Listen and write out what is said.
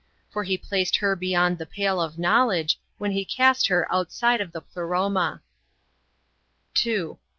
For He placed her beyond the pale of know ledge, when He cast her outside of the Pleroma. 2.